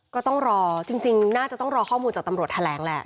ก็ต้องรอจริงน่าจะต้องรอข้อมูลจากตำรวจแถลงแหละ